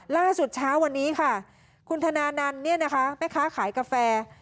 ล่าสุดเช้าวันนี้ค่ะคุณธนานันท์แม่คะขายกาแฟ